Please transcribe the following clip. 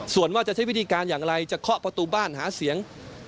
ส่วนว่าจะใช้วิธีการอย่างไรจะเคาะประตูบ้านหาเสียง